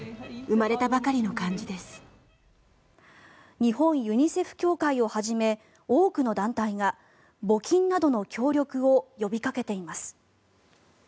日本ユニセフ協会をはじめ多くの団体が募金などの協力を呼びかけています。